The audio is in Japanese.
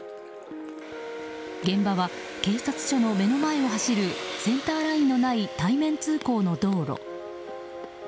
現場は、警察署の目の前を走るセンターラインのない対面通行の道路。